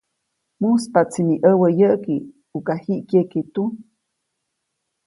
Mujspaʼtsi mi ʼäwä yäʼki ʼuka jiʼ kyeke tu.